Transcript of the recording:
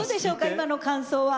今の感想は。